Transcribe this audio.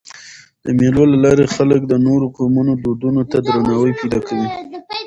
د مېلو له لاري خلک د نورو قومونو دودونو ته درناوی پیدا کوي.